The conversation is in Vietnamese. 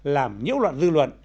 làm nhiễu loạn dư luận